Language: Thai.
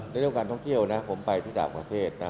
เรื่องการท่องเที่ยวนะผมไปที่ต่างประเทศนะ